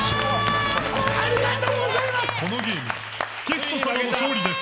ありがとうございます！